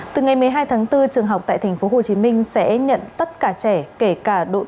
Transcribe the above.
từ ngày một mươi hai tháng bốn trường học tại tp hcm sẽ nhận tất cả trẻ kể cả đội